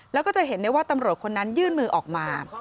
แล้วก็จะเห็นได้ว่าตำรวจคนนั้นยื่นมือออกมา